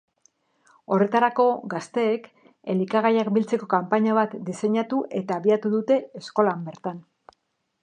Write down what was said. Horretarako, gazteek elikagaiak biltzeko kanpaina bat diseinatu eta abiatu dute eskolan bertan.